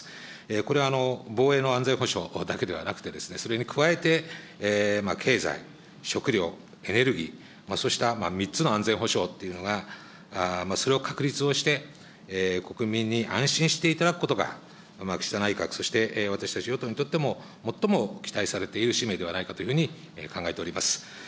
これは防衛の安全保障だけではなくて、それに加えて、経済、食料、エネルギー、そうした３つの安全保障というのが、それを確立をして、国民に安心していただくことが、岸田内閣、そして私たち与党にとっても最も期待されている使命ではないかというふうに考えております。